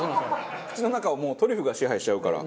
口の中をもうトリュフが支配しちゃうから。